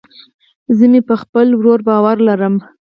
زه مې په خپل ورور باور لرم